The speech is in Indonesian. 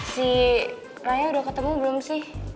si raya udah ketemu belum sih